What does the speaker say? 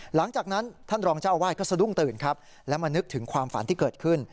หลังจากนั้นท่านรองเจ้าอาวาสก็สะดุ้งตื่นครับและมานึกถึงความฝันที่เกิดขึ้น